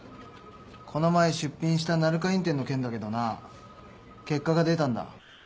この前出品した鳴華院展の件だけどな結果が出たんだ。